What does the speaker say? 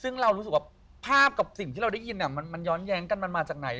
ซึ่งเรารู้สึกว่าภาพกับสิ่งที่เราได้ยินมันย้อนแย้งกันมันมาจากไหน